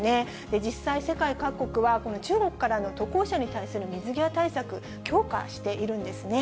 実際、世界各国は中国からの渡航者に対する水際対策、強化しているんですね。